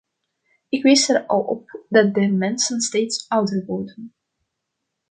Ik wees er al op dat de mensen steeds ouder worden.